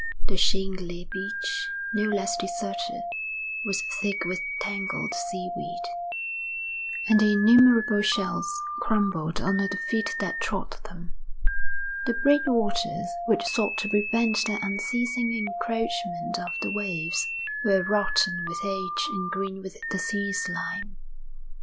The shingly beach, no less deserted, was thick with tangled seaweed, and the innumerable shells crumbled under the feet that trod them. The breakwaters, which sought to prevent the unceasing encroachment of the waves, were rotten with age and green with the sea slime.